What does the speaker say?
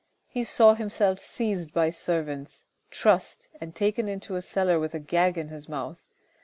He saw himself seized by servants, trussed, and taken into a cellar with a gag in his mouth.